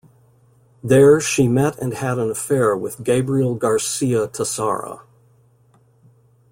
There, she met and had an affair with Gabriel Garcia Tassara.